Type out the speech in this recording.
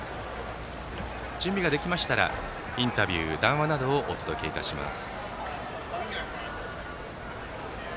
準備ができましたらインタビューと談話などをお届けします。